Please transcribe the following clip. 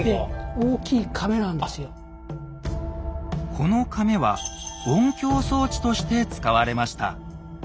このかめは音響装置として使われました。